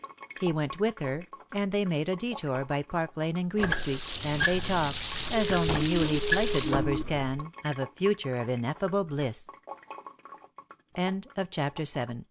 He went with her, and they made a detour by Park Lane and Green Street, and they talked, as only newly plighted lovers can, of a future of ineff